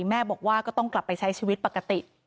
แม่บอกว่าก็ต้องกลับไปใช้ชีวิตปกติ